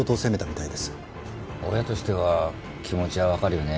親としては気持ちはわかるよね。